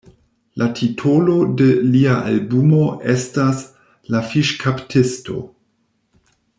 La titolo de lia albumo estas "La Fiŝkaptisto".